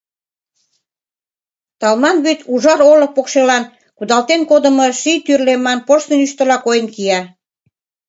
Талман вӱд ужар олык покшелан кудалтен кодымо ший тӱрлеман порсын ӱштыла койын кия.